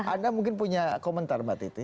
anda mungkin punya komentar mbak titi